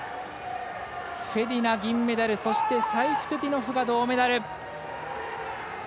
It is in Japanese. フェディナ、銀メダルサイフトゥディノフが銅メダル！